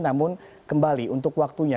namun kembali untuk waktunya